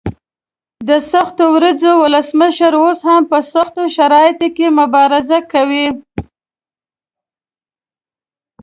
د سختو ورځو ولسمشر اوس هم په سختو شرایطو کې مبارزه کوي.